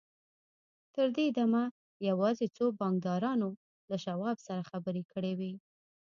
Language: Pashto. تر دې دمه یوازې څو بانکدارانو له شواب سره خبرې کړې وې